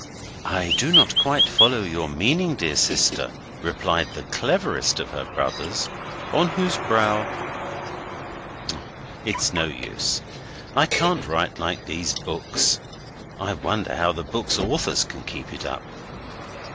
'"I do not quite follow your meaning, dear sister," replied the cleverest of her brothers, on whose brow ' It's no use. I can't write like these books. I wonder how the books' authors can keep it up.